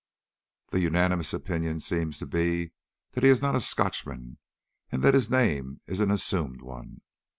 The unanimous opinion seems to be that he is not a Scotchman, and that his name is an assumed one.